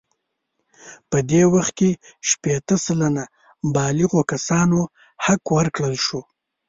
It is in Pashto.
په دې وخت کې شپیته سلنه بالغو کسانو حق ورکړل شو.